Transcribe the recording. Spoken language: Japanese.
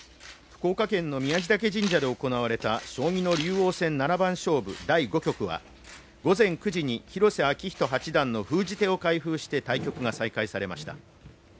福岡県の宮地嶽神社で行われた将棋の竜王戦七番勝負第５曲は午前９時に広瀬章人八段の封じ手を開封して対局が再開されました。